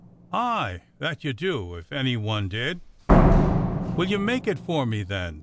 "Aye, that you do, if any one did." "Will you make it for me, then.?